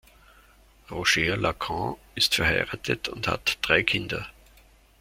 Roger-Lacan ist verheiratet und hat drei Kinder.